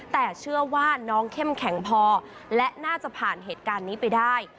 แต่เชื่อว่าน้องเข้มแข็งพอและน่าจะผ่านเหตุการณ์นี้ไปได้